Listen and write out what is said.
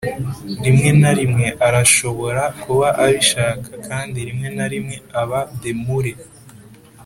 rimwe na rimwe arashobora kuba abishaka kandi rimwe na rimwe aba demure.